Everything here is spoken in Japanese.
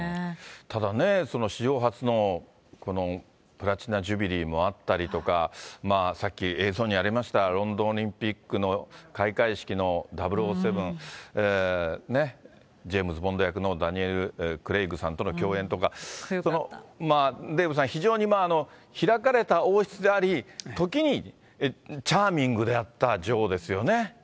ただね、史上初のプラチナ・ジュビリーもあったりとか、さっき映像にありましたロンドンオリンピックの開会式の００７、ジェームズ・ボンド役のダニエル・クレイグさんとの共演とか、デーブさん、非常に開かれた王室であり、時にチャーミングであった女王ですよね。